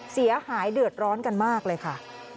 เสียหายเดือดร้อนกันมากเลยค่ะ